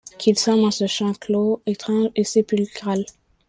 Qu’il semble en ce champ clos étrange et sépulcral